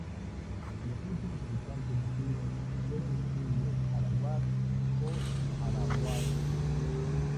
Los últimos habitantes nativos fueron los Indios arawak o arahuacos.